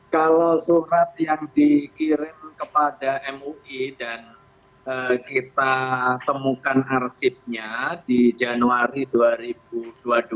kalau surat yang dikirim kepada mui dan kita temukan arsipnya di januari dua ribu dua puluh dua